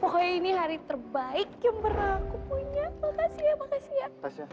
pokoknya ini hari terbaik yang pernah aku punya makasih ya makasih ya